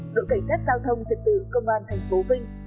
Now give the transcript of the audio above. đội cảnh sát giao thông trật tự công an thành phố vinh